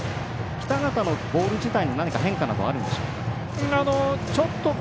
北方のボール自体に変化はあるんでしょうか。